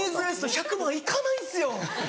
１００万いかないんすよ！